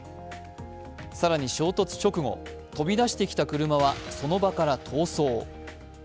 更に衝突直後、飛び出してきた車はその場から逃走。